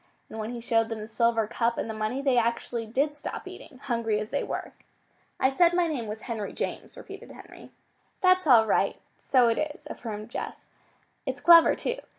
And when he showed them the silver cup and the money they actually did stop eating, hungry as they were. "I said my name was Henry James," repeated Henry. "That's all right. So it is," affirmed Jess. "It's clever, too.